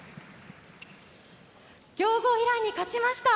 強豪イランに勝ちました。